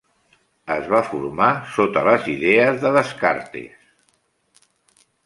Es va formar sota les idees de Descartes.